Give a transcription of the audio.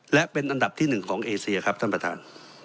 และเป็นอันดับที่๑ของเอเซียครับท่านประธาน